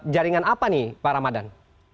jaringan apa nih pak ramadan